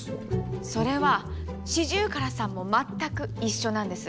それはシジュウカラさんも全く一緒なんです。